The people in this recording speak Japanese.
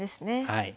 はい。